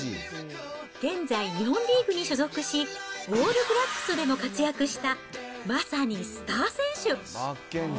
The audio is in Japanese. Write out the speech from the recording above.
現在、日本リーグに所属し、オールブラックスでも活躍したまさにスター選手。